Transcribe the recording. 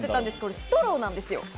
ストローなんです。